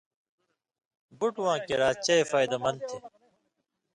بُٹواں کریا چئ فَیدہ مند تھی۔